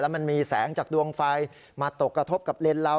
มันมีแสงจากดวงไฟมาตกกระทบกับเลนเรา